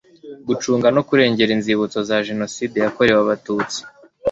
gucunga no kurengera inzibutso za jenoside yakorewe abatutsi